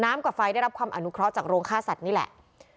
กับไฟได้รับความอนุเคราะห์จากโรงฆ่าสัตว์นี่แหละ